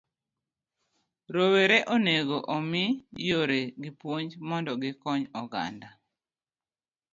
D. Rowere onego mi yore gi puonj mondo gikony oganda.